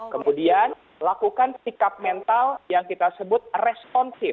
kemudian lakukan sikap mental yang kita sebut responsif